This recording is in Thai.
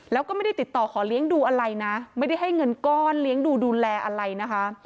แล้วก็ไม่ได้ติดต่อขอเลี้ยงดูอะไรนะไม่ได้ให้เงินก้อนเลี้ยงดูดูแลอะไรนะคะ